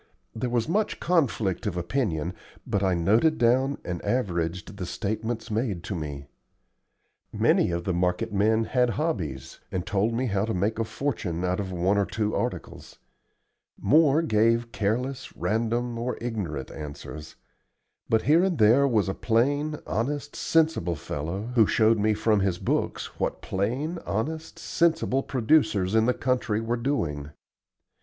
There was much conflict of opinion, but I noted down and averaged the statements made to me. Many of the market men had hobbies, and told me how to make a fortune out of one or two articles; more gave careless, random, or ignorant answers; but here and there was a plain, honest, sensible fellow who showed me from his books what plain, honest, sensible producers in the country were doing.